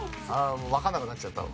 わかんなくなっちゃった。